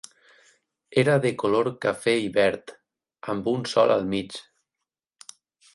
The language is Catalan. Era de color cafè i verd, amb un sol al mig.